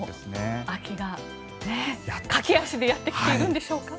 もう秋が駆け足でやってきているんでしょうか。